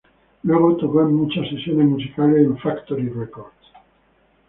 Luego, tocó en muchas sesiones musicales en Factory Records.